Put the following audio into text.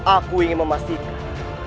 aku ingin memastikan